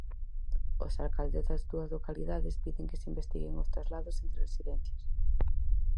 Os alcaldes das dúas localidades piden que se investiguen os traslados entre residencias.